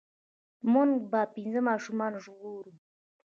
مونږ به پنځه ماشومان ژغورو.